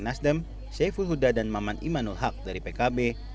nasdem seyful huda dan maman imanul haq dari pkb